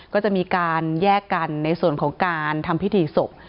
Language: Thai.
ก็จะมีการแยกกันในส่วนของการทำพิธีศพ